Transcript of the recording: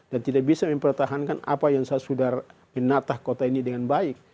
dan tidak bisa mempertahankan apa yang sudah saya menatah kota ini dengan baik